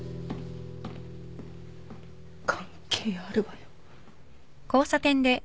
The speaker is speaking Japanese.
関係あるわよ。